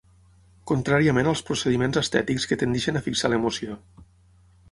Contràriament als procediments estètics que tendeixen a fixar l'emoció.